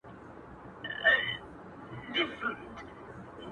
تا پر اوږده ږيره شراب په خرمستۍ توی کړل ـ